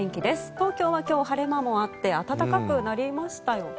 東京は今日、晴れ間もあって暖かくなりましたよね。